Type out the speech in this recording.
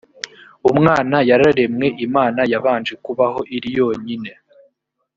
umwana yararemwe imana yabanje kubaho iri yonyine